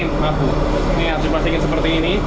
ini harus dipasangin seperti ini